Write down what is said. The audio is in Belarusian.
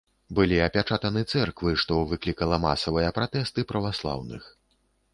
Былі апячатаны цэрквы, што выклікала масавыя пратэсты праваслаўных.